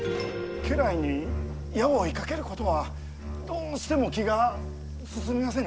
家来に矢を射かけることはどうしても気が進みませぬ。